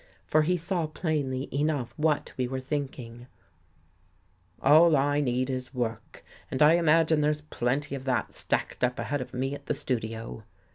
For he saw plainly enough what we were thinking. " All I need II THE GHOST GIRL is work, and I imagine there's plenty of that stacked up ahead of me at the studio."